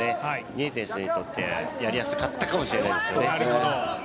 ニエテス選手にとって、やりやすかったかもしれないですよね。